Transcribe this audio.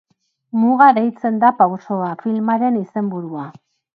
Muga deitzen da pausoa, filmaren izenburua.